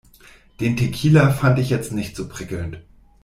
Den Tequila fand ich jetzt nicht so prickelnd.